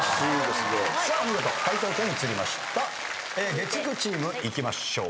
月９チームいきましょう。